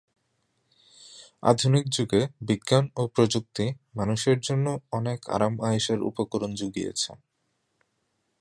আধুনিক যুগে বিজ্ঞান ও প্রযুক্তি মানুষের জন্য অনেক আরাম-আয়েশের উপকরণ জুগিয়েছে।